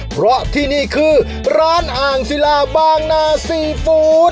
เพราะที่นี่คือร้านอ่างศิลาบางนาซีฟู้ด